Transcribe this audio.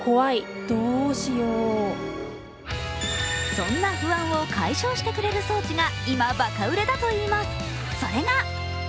そんな不安を解消してくれる装置が今、バカ売れだといいます。